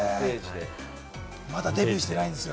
まだデビューしてないんですよ